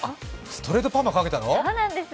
ストレートパーマかけたの？